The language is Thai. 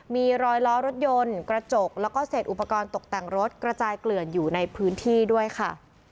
มีรอยล้อรถยนต์กระจกแล้วก็เศษอุปกรณ์ตกแต่งรถกระจายเกลื่อนอยู่ในพื้นที่ด้วยค่ะ